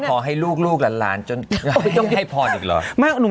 ต้องให้ลูกร้านให้พอดังนั้นหรอ